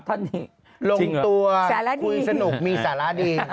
๓ท่านนี่จริงหรือสาระดีลงตัวคุยสนุกมีสาระดี